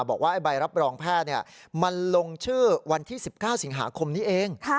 บอกว่าใบรับรองแพทย์มันลงชื่อวันที่๑๙สิงหาคมนี้เอง